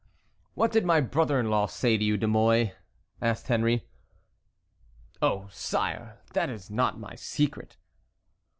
"What did my brother in law say to you, De Mouy?" asked Henry. "Oh, sire, that is not my secret."